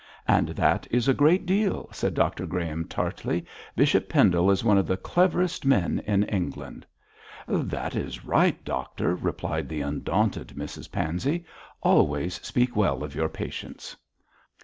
'And that is a great deal,' said Dr Graham, tartly. 'Bishop Pendle is one of the cleverest men in England.' 'That is right, doctor,' replied the undaunted Mrs Pansey. 'Always speak well of your patients.'